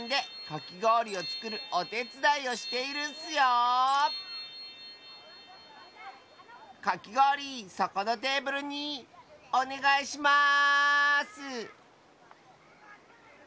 かきごおりそこのテーブルにおねがいします！